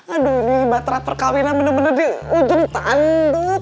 aduh ini batra perkawinan bener bener di ujung tanduk